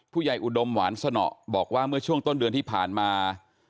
ยายอุดมหวานสนอบอกว่าเมื่อช่วงต้นเดือนที่ผ่านมา